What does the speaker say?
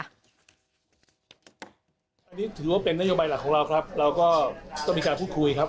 อันนี้ถือว่าเป็นนโยบายหลักของเราครับเราก็ต้องมีการพูดคุยครับ